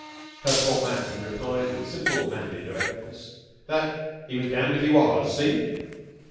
Her poor man replied with simple, manly directness that he "was dam'd if he was. See?"